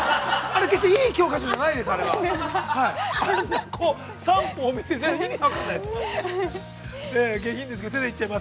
あれは決していい教科書じゃないです、はい。